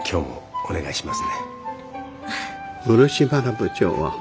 お願いします。